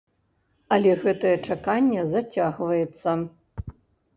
Але гэтае чаканне зацягваецца.